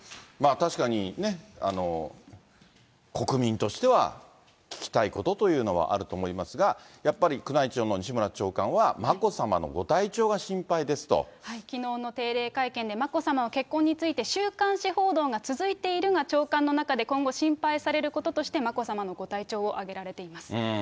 確かにね、国民としては聞きたいことというのはあると思いますが、やっぱり宮内庁の西村長官は、きのうの定例会見で、眞子さまは結婚について、週刊誌報道が続いているが、長官の中で今後、心配されることとして眞子さまのご体調を挙げられています。